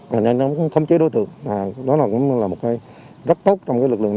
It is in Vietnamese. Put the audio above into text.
nên nó cũng thấm chế đối tượng đó cũng là một cái rất tốt trong lực lượng này